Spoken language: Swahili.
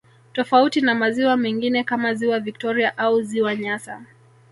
Tofauti na maziwa mengine kama ziwa victoria au ziwa nyasa